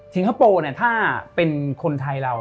คโปร์เนี่ยถ้าเป็นคนไทยเรา